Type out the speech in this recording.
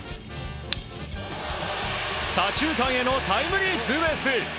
左中間へのタイムリーツーベース。